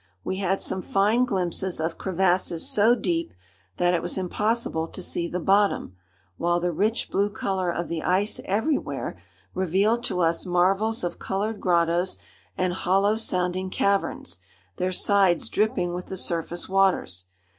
We had some fine glimpses of crevasses so deep that it was impossible to see the bottom, while the rich blue color of the ice everywhere revealed to us marvels of colored grottoes and hollow sounding caverns, their sides dripping with the surface waters.